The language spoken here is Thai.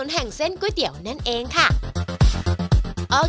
เช่นอาชีพพายเรือขายก๋วยเตี๊ยว